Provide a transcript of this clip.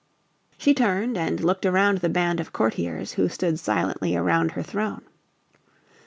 She turned and looked around the band of courtiers who stood silently around her throne.